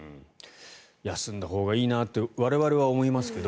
休んだほうがいいなって我々は思いますけど。